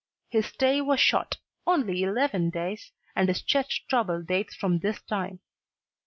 His stay was short, only eleven days, and his chest trouble dates from this time.